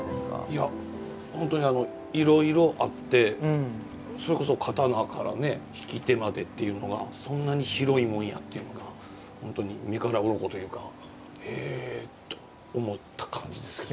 いや本当にいろいろあってそれこそ刀からね引き手までっていうのがそんなに広いもんやっていうのが本当に目から鱗というかへえと思った感じですけどね。